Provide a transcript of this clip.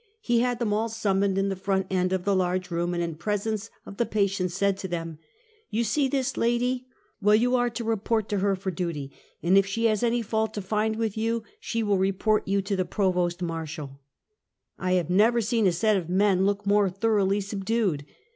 He had them all summoned in tlie front end of the large room, and in presence of the patients, said to them: " You see this lady ? Well, you are to report to her for duty; and if she has any fault to find with you she will report you to the Provost Marshal !" 1 have never seen a set of men look more thoroughly subdued.